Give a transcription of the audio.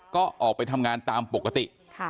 ก็ออกไปทำงานตามปกติ